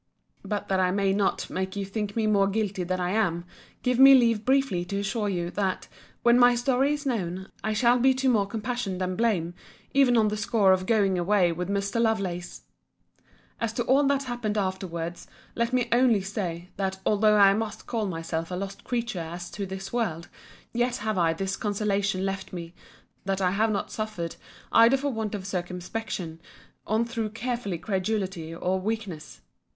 But that I may not make you think me more guilty than I am, give me leave briefly to assure you, that, when my story is known, I shall be to more compassion than blame, even on the score of going away with Mr. Lovelace. As to all that happened afterwards, let me only say, that although I must call myself a lost creature as to this world, yet have I this consolation left me, that I have not suffered either for want of circumspection, or through careful credulity or weakness.